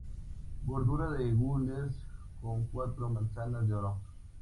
Bordura de gules, con cuatro manzanas de oro.